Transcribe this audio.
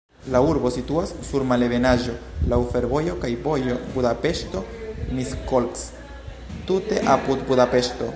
La urbo situas sur malebenaĵo, laŭ fervojo kaj vojo Budapeŝto-Miskolc, tute apud Budapeŝto.